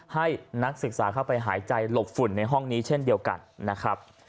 ให้นักศึกษาเข้าไปหายใจหลบฝุ่นในห้องนี้เช่นเดียวกันนะครับ